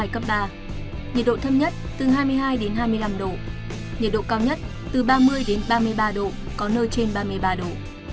nhiệt độ thâm nhất phía bắc từ hai mươi hai hai mươi năm độ nhiệt độ cao nhất phía nam từ ba mươi ba mươi ba độ có nơi trên ba mươi ba độ